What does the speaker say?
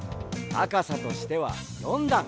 たかさとしては４だん！